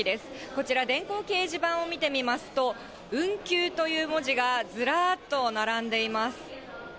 こちら、電光掲示板を見てみますと、運休という文字がずらっと並んでいます。